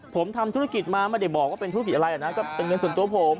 ผมทำธุรกิจมาไม่ได้บอกว่าเป็นธุรกิจอะไรนะก็เป็นเงินส่วนตัวผม